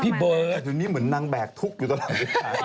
พี่เบิร์ตเดี๋ยวนี้เหมือนนางแบกทุกข์อยู่ตลอดเวลา